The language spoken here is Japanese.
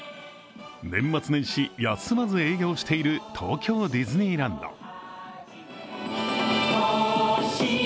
年末年始、休まず営業している東京ディズニーランド。